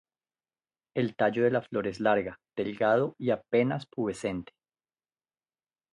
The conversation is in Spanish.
El tallo de la flor es larga, delgado y apenas pubescente.